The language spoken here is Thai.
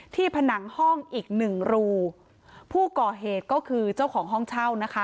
ผนังห้องอีกหนึ่งรูผู้ก่อเหตุก็คือเจ้าของห้องเช่านะคะ